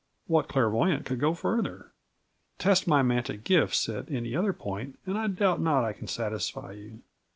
What clairvoyant could go further? Test my mantic gifts at any other point and I doubt not I can satisfy you.